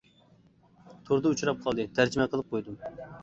توردا ئۇچراپ قالدى، تەرجىمە قىلىپ قويدۇم.